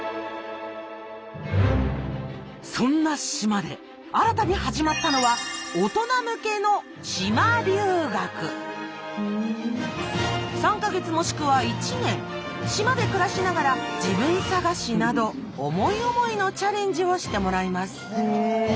そんな島で新たに始まったのは３か月もしくは１年島で暮らしながら自分探しなど思い思いのチャレンジをしてもらいます。